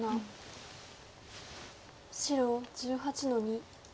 白１８の二。